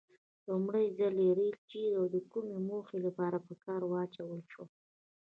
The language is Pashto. لومړي ځل ریل چیري او د کومې موخې لپاره په کار واچول شو؟